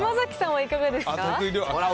島崎さんはいかがですか。